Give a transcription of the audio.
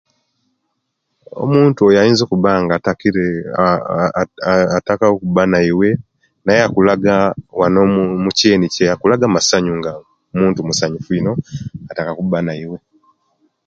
Omuntu oyo ayinza okuba nga atakire a a a ataka okuba naiwe naye akulaga wano omukyeni kye akulaga amasanyu muntu muasanyufu ino ataka okuba naiwe